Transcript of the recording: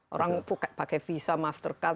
orang pakai visa mastercard